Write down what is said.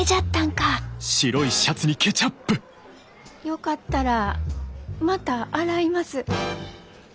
よかったらまた洗います。